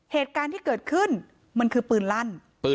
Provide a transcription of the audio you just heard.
เหตุการณ์ที่เกิดขึ้นมันคือปืนลั่น